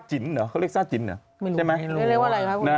ซ่าจินหรอเรียกซ่าจินหรอ